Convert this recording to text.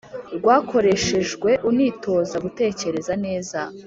rwakoreshejwe unitoza gutekereza neza